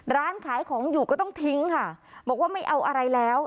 ร้านขายของอยู่ก็ต้องทิ้งค่ะบอกว่าไม่เอาอะไรแล้ว